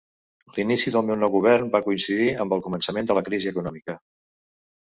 L'inici del nou govern va coincidir amb el començament de la crisi econòmica.